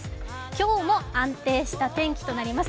今日も安定した天気となります。